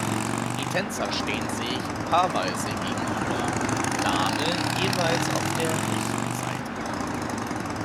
Die Tänzer stehen sich paarweise gegenüber, Dame jeweils auf der rechten Seite.